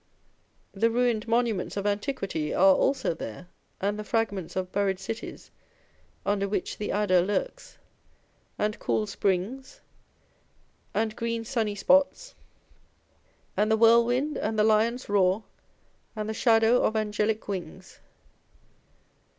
The ruined monuments of antiquity are also there, and the fragments of buried cities (under which the adder lurks) and cool springs, and green sunny spots, and the whirlwind and the lion's roar, and the shadow of angelic wings.